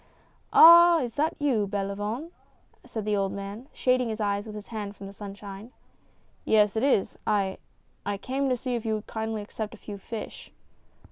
"Ah! is that you, Belavoine?" said the old man, shading his eyes with his hand from the sunshine. "Yes, it is I. I came to see if you would kindly accept a few fish."